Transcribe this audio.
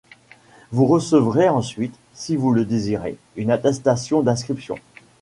Vous recevrez ensuite, si vous le désirez, une attestation d'inscription.